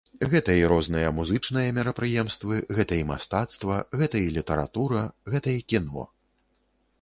Гэта і розныя музычныя мерапрыемствы, гэта і мастацтва, гэта і літаратура, гэта і кіно.